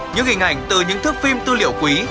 những hình ảnh từ những thước phim tư liệu quý